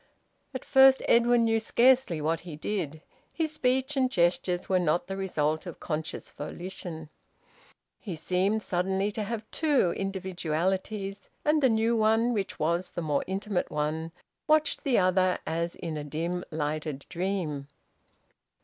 At first Edwin knew scarcely what he did. His speech and gestures were not the result of conscious volition. He seemed suddenly to have two individualities, and the new one, which was the more intimate one, watched the other as in a dim lighted dream...